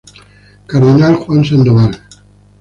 Cardenal Juan Sandoval Íñiguez, Mon.